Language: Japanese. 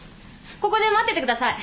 ここで待っててください。